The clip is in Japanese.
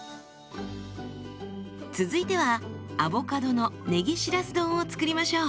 続いてはアボカドのねぎしらす丼を作りましょう。